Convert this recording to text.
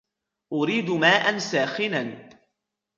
أريد ماءا ساخنا.